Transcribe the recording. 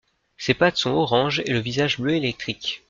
Ses pattes sont orange, et le visage bleu électrique.